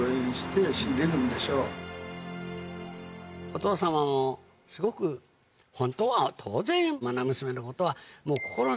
お父様もすごく本当は当然まな娘のことはもう。